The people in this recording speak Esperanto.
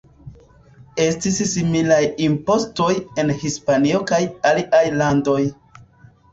Estis similaj impostoj en Hispanio kaj aliaj landoj.